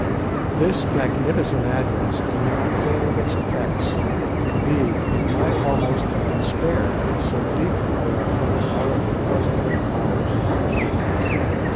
This magnificent address did not fail of its effect; indeed, it might almost have been spared, so deeply were our friends already impressed with our powers.